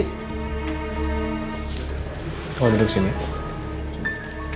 kau duduk sini ya